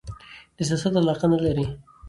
د سیاست علاقه نه لري